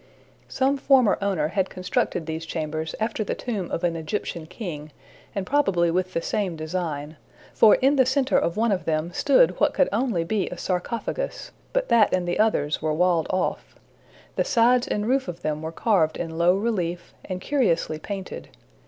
Some former owner had constructed these chambers after the tomb of an Egyptian king, and probably with the same design, for in the center of one of them stood what could only be a sarcophagus, but that and others were walled off. The sides and roofs of them were carved in low relief, and curiously painted.